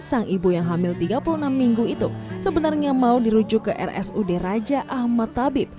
sang ibu yang hamil tiga puluh enam minggu itu sebenarnya mau dirujuk ke rsud raja ahmad tabib